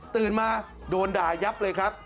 ตื่นมาโดนด่ายับเลยครับ